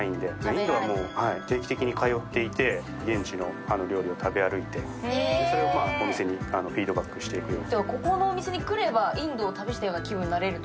インドは定期的に通っていて、現地の料理を食べ歩いて、それをお店にフィードバックしていくように。